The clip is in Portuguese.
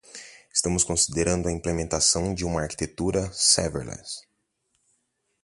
Estamos considerando a implementação de uma arquitetura serverless.